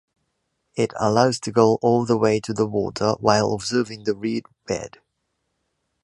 It allows to go all the way to the water while observing the reed bed.